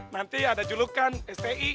nanti ada julukan sti